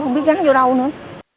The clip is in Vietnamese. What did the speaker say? không biết gắn vô đâu nữa